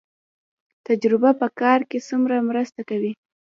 تجربه په کار کې څومره مرسته کوي؟